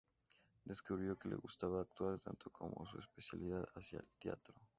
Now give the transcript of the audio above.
Descubrió que le gustaba actuar tanto como su especialidad hacia el teatro.